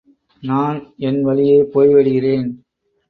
நான் என் வழியே போய்விடுகிறேன்.